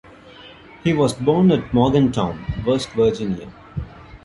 He was born at Morgantown, West Virginia.